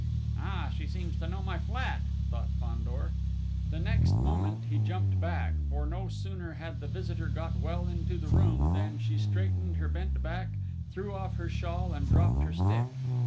"Ah, she seems to know my flat!" thought Fandor. The next moment he jumped back; for, no sooner had the visitor got well into the room, than she straightened her bent back, threw off her shawl, and dropped her stick!